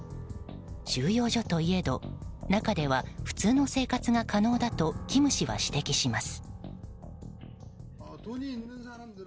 収容所といえど中では普通の生活が可能だとキム氏は指摘します。